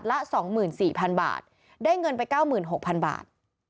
ละสองหมื่นสี่พันบาทได้เงินไปเก้าหมื่นหกพันบาท